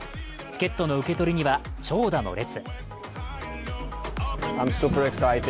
チケットの受け取りには長蛇の列。